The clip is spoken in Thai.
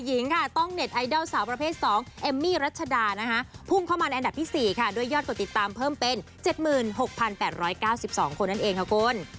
เป็นเจ็ดหมื่นหกพันแปดร้อยเก้าสิบสองคนนั่นเองค่ะคุณ